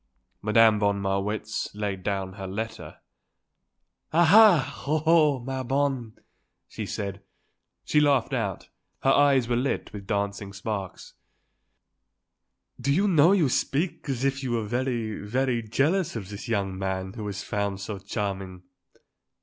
Madame von Marwitz laid down her letter. "Ah! ah! oh! oh! ma bonne," she said. She laughed out. Her eyes were lit with dancing sparks. "Do you know you speak as if you were very, very jealous of this young man who is found so charming?"